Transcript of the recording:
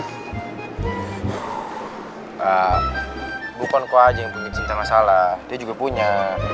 eee bukan kau aja yang punya cinta ngga salah dia juga punya